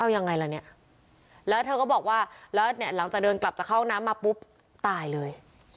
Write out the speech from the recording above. ยังไงล่ะเนี่ยแล้วเธอก็บอกว่าแล้วเนี่ยหลังจากเดินกลับจะเข้าห้องน้ำมาปุ๊บตายเลย